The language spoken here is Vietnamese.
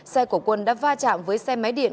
xe của quân đã va chạm với xe máy điện